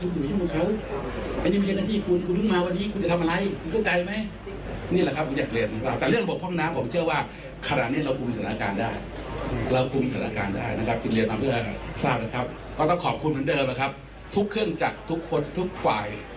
ทุกความินาที่เหลือเดียวคือพร่องน้ำให้ได้มาสุดท้วย